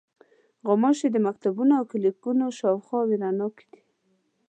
غوماشې د مکتبونو او کلینیکونو شاوخوا وېره ناکې دي.